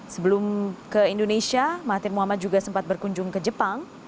sebelum ke indonesia mahathir muhammad juga sempat berkunjung ke jepang